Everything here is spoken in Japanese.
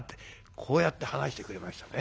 こうやって話してくれましたね。